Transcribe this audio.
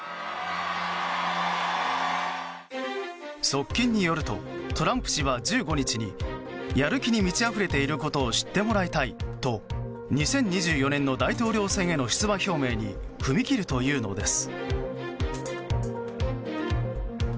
側近によるとトランプ氏は１５日にやる気に満ちあふれていることを知ってもらいたいと２０２４年の大統領選への出馬表明に踏み切るというのです。